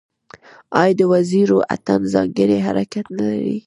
آیا د وزیرو اتن ځانګړی حرکت نلري؟